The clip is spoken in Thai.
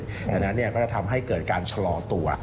ดังนั้นก็จะทำให้เกิดการชะลอตัว